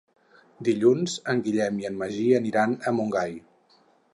Dilluns en Guillem i en Magí aniran a Montgai.